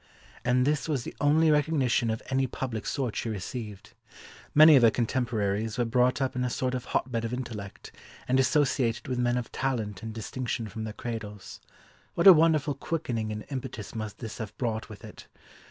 And this was the only recognition of any public sort she received. Many of her contemporaries were brought up in a sort of hotbed of intellect, and associated with men of talent and distinction from their cradles—what a wonderful quickening and impetus must this have brought with it!